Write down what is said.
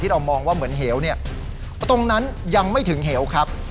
จะมีเหี้ยวที่เหงา